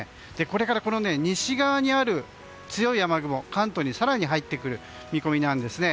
これから西側にある強い雨雲が関東に更に入ってくる見込みなんですね。